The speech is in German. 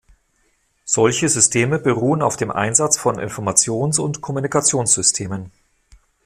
Solche Systeme beruhen auf dem Einsatz von Informations- und Kommunikationssystemen.